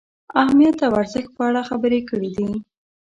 اهمیت او ارزښت په اړه خبرې کړې دي.